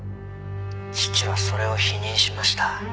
「父はそれを否認しました」